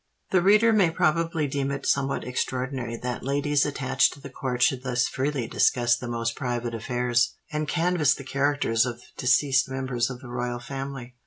The reader may probably deem it somewhat extraordinary that ladies attached to the Court should thus freely discuss the most private affairs, and canvass the characters of deceased members of the Royal Family.